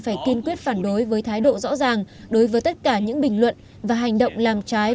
phải kiên quyết phản đối với thái độ rõ ràng đối với tất cả những bình luận và hành động làm trái